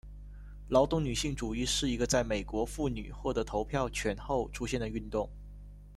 劳动女性主义是一个在美国妇女获得投票权后出现的运动。